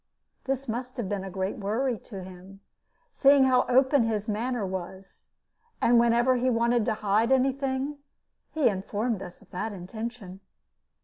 This must have been a great worry to him, seeing how open his manner was; and whenever he wanted to hide any thing, he informed us of that intention.